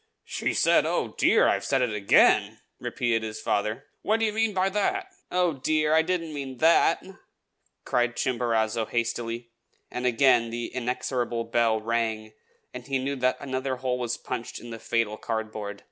"She said, 'Oh, dear! I've said it again!'" repeated his father. "What do you mean by that?" "Oh, dear! I didn't mean that," cried Chimborazo hastily; and again the inexorable bell rang, and he knew that another hole was punched in the fatal cardboard.